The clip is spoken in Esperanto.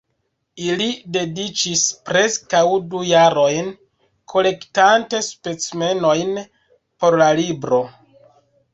Ili dediĉis preskaŭ du jarojn kolektante specimenojn por la libro.